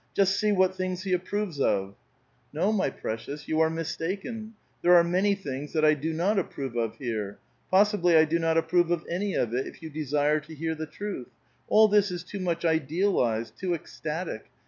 " Just see what things be approves of !"'* No, my precious,* 3^ou are mistaken. Theie are many things that I do not approve of here. Possibly I do not ap prove of any of it, if you desire to hear the truth. All this is too much idealized, too ecstatic